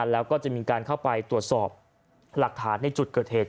แล้วก็จะมีการเข้าไปตรวจสอบหลักฐานในจุดเกิดเหตุ